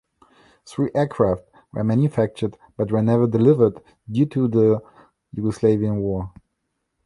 Three aircraft were manufactured but were never delivered due to the Yugoslavin War.